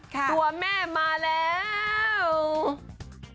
ตัวแม่มาแล้ว